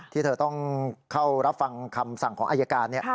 ที่เธอต้องเข้ารับฟังคำสั่งของอายการ